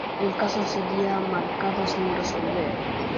El caso seguía marcado sin resolver.